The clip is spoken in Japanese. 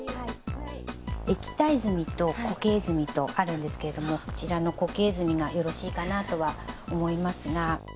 液体墨と固形墨とあるんですけれどもこちらの固形墨がよろしいかなとは思いますが。